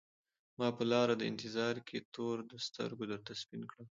ما په لار د انتظار کي تور د سترګو درته سپین کړل